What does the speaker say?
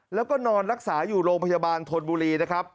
แล้วก็นอนรักษาอยู่โรงพยาบาลธนบุรีนะครับ